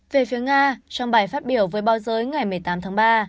về phía nga trong bài phát biểu với báo giới ngày một mươi tám tháng ba